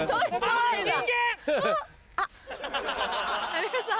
有吉さん